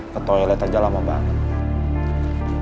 ke toilet aja lama banget